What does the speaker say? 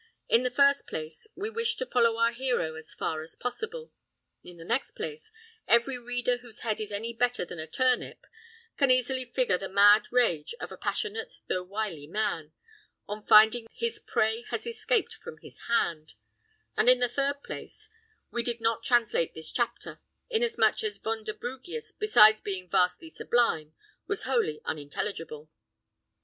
In the first place, we wish to follow our hero as fast as possible; in the next place, every reader whose head is any better than a turnip, can easily figure the mad rage of a passionate though wily man, on finding that his prey has escaped from his hand; and in the third place, we did not translate this chapter, inasmuch as Vonderbrugius, besides being vastly sublime, was wholly unintelligible.